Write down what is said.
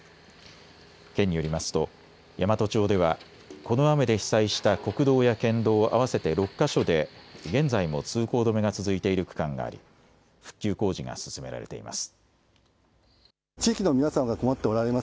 県によりますと山都町ではこの雨で被災した国道や県道合わせて６か所で現在も通行止めが続いている区間があり復旧工事が進められています。